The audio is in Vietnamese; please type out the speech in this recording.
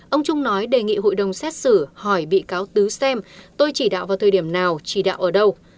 ông trung nói đề nghị hội đồng xét xử hỏi bị cáo tứ xem tôi chỉ đạo vào thời điểm nào chỉ đạo ở đâu